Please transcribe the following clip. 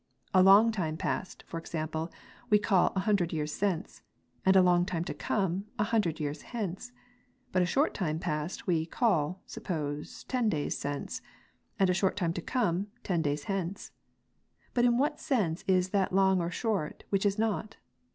A long time past (for example) we call an hundred years since; and a long time to come, an hundred years hence. But a short time past, we call (suppose) ten days since ; and a short time to come, ten days hence. But in what sense is that long or short, which is not